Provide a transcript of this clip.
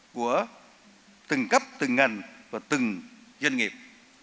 của từng cấp từng ngành và từng doanh nghiệp